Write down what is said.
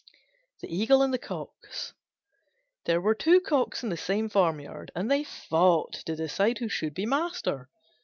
THE EAGLE AND THE COCKS There were two Cocks in the same farmyard, and they fought to decide who should be master.